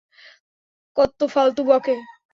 কত্ত ফালতু বকে?